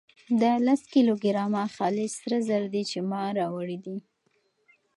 دا لس کيلو ګرامه خالص سره زر دي چې ما راوړي دي.